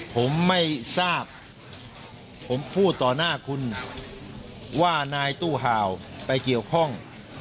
ผมไม่ทราบผมพูดต่อหน้าคุณว่านายตู้ห่าวไปเกี่ยวข้อง